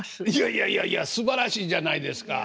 いやいやいやすばらしいじゃないですか。